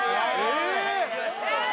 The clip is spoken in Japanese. え！